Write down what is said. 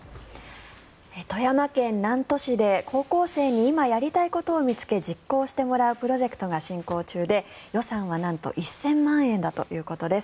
富山県南砺市で高校生に今、やりたいことを見つけ実行してもらうプロジェクトが進行中で予算はなんと１０００万円だということです。